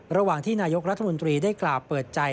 ระหว่างที่นายกรัฐมนตรีได้กล่าวเปิดใจ